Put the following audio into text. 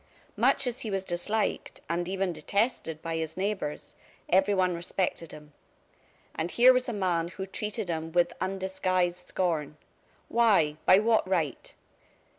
Much as he was disliked, and even detested, by his neighbors, everyone respected him. And here was a man who treated him with undisguised scorn. Why? By what right?